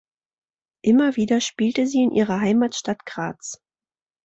Immer wieder spielte sie in ihrer Heimatstadt Graz.